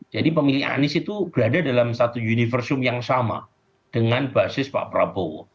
jadi pemilih anies itu berada dalam satu universum yang sama dengan basis pak prabowo